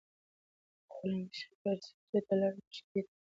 غلام د شکر سجدې ته لاړ او اوښکې یې تویې کړې.